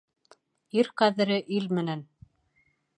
Ир ҡәҙере ил менән.